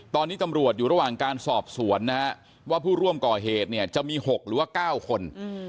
ตอนนี้ตำรวจอยู่ระหว่างการสอบสวนนะฮะว่าผู้ร่วมก่อเหตุเนี่ยจะมี๖หรือว่า๙คน